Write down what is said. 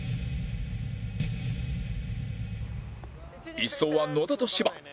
１走は野田と芝